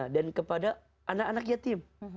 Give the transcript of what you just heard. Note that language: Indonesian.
dan kepada anak anak yatim